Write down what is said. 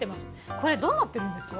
これどうなってるんですか？